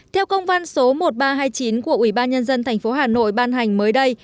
theo công văn số một nghìn ba trăm hai mươi chín của ubnd tp hà nội ban hành mới đây